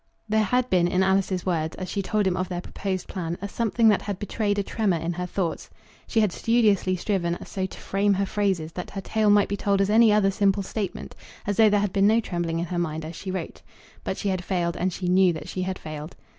There had been in Alice's words, as she told him of their proposed plan, a something that had betrayed a tremor in her thoughts. She had studiously striven so to frame her phrases that her tale might be told as any other simple statement, as though there had been no trembling in her mind as she wrote. But she had failed, and she knew that she had failed.